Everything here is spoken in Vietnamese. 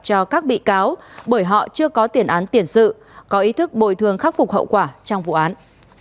cho các bị cáo bởi họ chưa có tiền án tiền sự có ý thức bồi thường khắc phục hậu quả trong vụ án